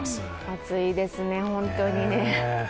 暑いですね、本当に。